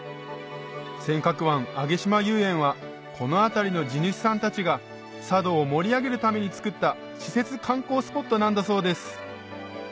尖閣湾揚島遊園はこの辺りの地主さんたちが佐渡を盛り上げるために造った私設観光スポットなんだそうです